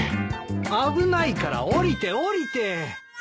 危ないから下りて下りて。